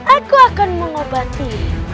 aku akan mengobati